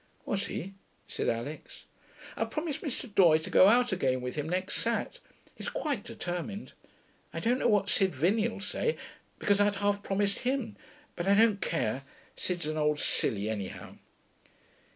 'Was he?' said Alix. 'I've promised Mr. Doye to go out again with him, next Sat. He's quite determined. I don't know what Sid Vinney'll say, because I'd half promised him. But I don't care. Sid's an old silly, anyhow.'